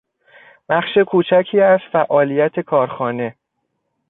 بخش کوچکی از فعالیت کارخانه